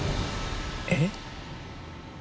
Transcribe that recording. えっ？